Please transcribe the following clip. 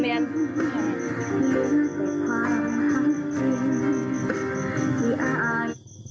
โดดด